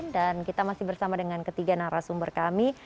dan kita masih bersama dengan ketiga narasumber kami